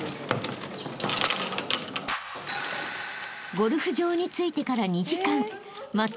［ゴルフ場に着いてから］